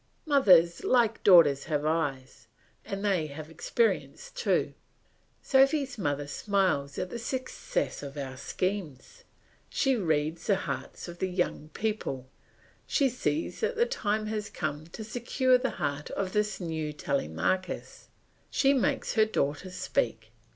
Mothers, like daughters, have eyes; and they have experience too. Sophy's mother smiles at the success of our schemes. She reads the hearts of the young people; she sees that the time has come to secure the heart of this new Telemachus; she makes her daughter speak.